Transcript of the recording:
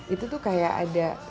itu tuh kayak ada